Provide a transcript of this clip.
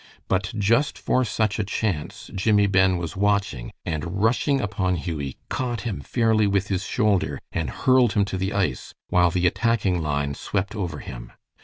But just for such a chance Jimmie Ben was watching, and rushing upon Hughie, caught him fairly with his shoulder and hurled him to the ice, while the attacking line swept over him.